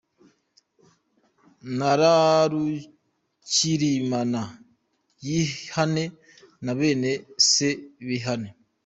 nagarukirimana y ihane na Bene se bihane.